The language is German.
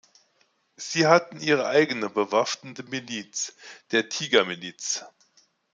Sie hatte ihre eigene bewaffnete Miliz, der Tiger-Miliz.